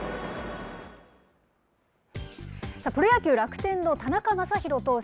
プロ野球・楽天の田中将大投手。